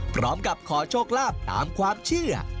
พร้อมกับขอโชคลาภตามความเชื่อ